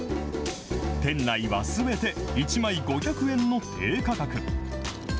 店内はすべて１枚５００円の低価格。